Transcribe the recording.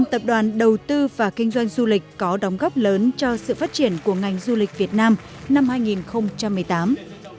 năm tập đoàn đầu tư và kinh doanh du lịch có đóng góp lớn cho sự phát triển của ngành du lịch việt nam năm hai nghìn một mươi tám